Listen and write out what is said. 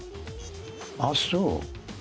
あっそう。